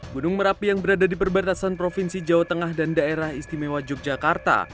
gunung merapi yang berada di perbatasan provinsi jawa tengah dan daerah istimewa yogyakarta